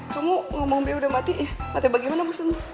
kamu ngomong be udah mati ya mati bagaimana maksudmu